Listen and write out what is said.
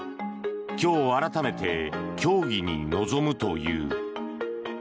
今日、改めて協議に臨むという。